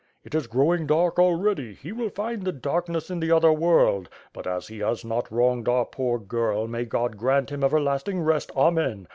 "It is growing dark already, he will find the darkness in the other world. But, as he has not wronged our poor girl, may God grant him everlasting rest, Amen!